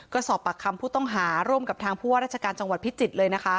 ก็สอบปากคำผู้ต้องหาร่วมกับทางผู้ว่าราชการจังหวัดพิจิตรเลยนะคะ